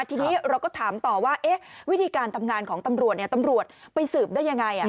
ทีนี้เราก็ถามต่อว่าวิธีการทำงานของตำรวจตำรวจไปสืบได้ยังไง